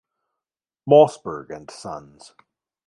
Mossberg and Sons.